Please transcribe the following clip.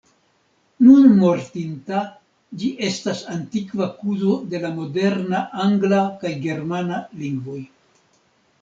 Nun mortinta, ĝi estas antikva kuzo de la moderna angla kaj germana lingvoj.